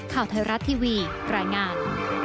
ข่าวไทยรัฐทีวีรายงาน